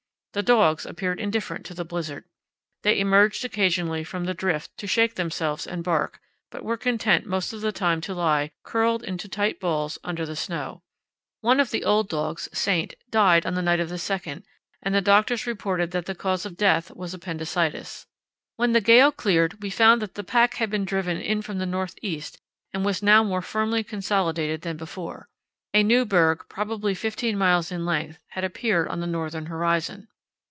The dogs appeared indifferent to the blizzard. They emerged occasionally from the drift to shake themselves and bark, but were content most of the time to lie, curled into tight balls, under the snow. One of the old dogs, Saint, died on the night of the 2nd, and the doctors reported that the cause of death was appendicitis. When the gale cleared we found that the pack had been driven in from the north east and was now more firmly consolidated than before. A new berg, probably fifteen miles in length, had appeared on the northern horizon.